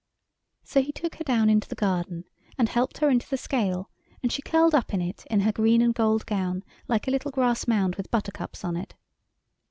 So he took her down into the garden, and helped her into the scale, and she curled up in it in her green and gold gown, like a little grass mound with buttercups on it.